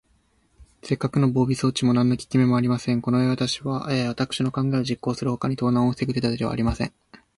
せっかくの防備装置も、なんのききめもありません。このうえは、わたくしの考えを実行するほかに、盗難をふせぐ手だてはありません。